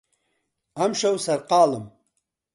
ئەمشەو سەرقاڵم.